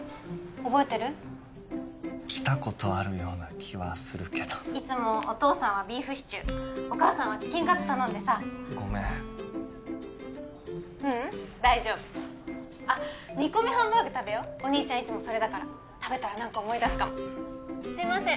覚えてる？来たことあるような気はするけどいつもお父さんはビーフシチューお母さんはチキンカツ頼んでさごめんううん大丈夫あっ煮込みハンバーグ食べようお兄ちゃんいつもそれだから食べたら何か思い出すかもすいません